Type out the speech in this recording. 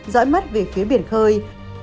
dõi mất về phía biển khơi